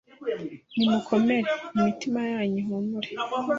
Nimukomere imitima yanyu ihumure